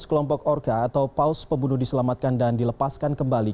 sekelompok orka atau paus pembunuh diselamatkan dan dilepaskan kembali